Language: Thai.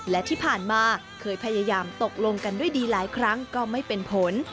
และที่ผ่านมาเคยพยายามตกลงกันด้วยดีหลายครั้งก็ไม่เป็นผล